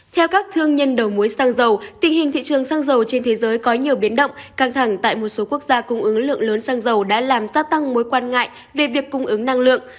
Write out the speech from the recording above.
theo các thương nhân đầu mối xăng dầu tình hình thị trường xăng dầu trên thế giới có nhiều biến động căng thẳng tại một số quốc gia cung ứng lượng lớn xăng dầu đã làm gia tăng mối quan ngại về việc cung ứng năng lượng